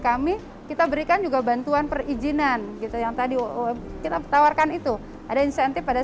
kami kita berikan juga bantuan perizinan gitu yang tadi kita tawarkan itu ada insentif pada